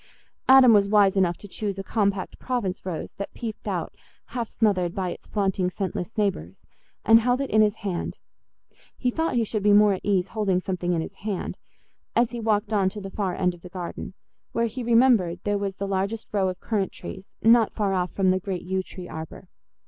Adam was wise enough to choose a compact Provence rose that peeped out half smothered by its flaunting scentless neighbours, and held it in his hand—he thought he should be more at ease holding something in his hand—as he walked on to the far end of the garden, where he remembered there was the largest row of currant trees, not far off from the great yew tree arbour.